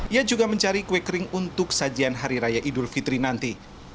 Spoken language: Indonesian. ia juga mencari kue kering untuk sajian hari raya idul fitri nanti